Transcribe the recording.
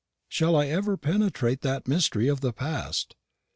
Shall I ever penetrate that mystery of the past?